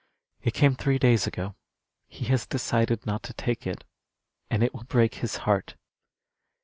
"It came three days ago. He has decided not to take it. And it will break his heart."